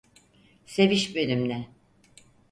Seviş benimle.